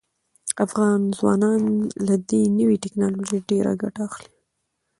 افغان ځوانان له دې نوې ټیکنالوژۍ ډیره ګټه اخلي.